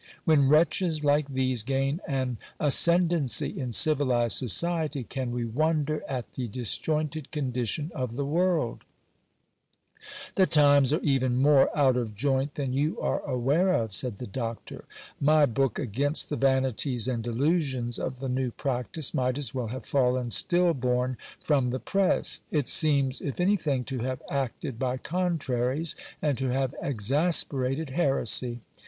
When wretches like these gain an ascendancy in civilized society, can we wonder at the disjointed condition of the world ? The times are even more out of joint than you are aware of, said the doctor. My book against the vanities and delusions of the new practice might as well rave fallen still born from the press ; it seems, if anything, to have acted by contraries, and to have exasperated heresy.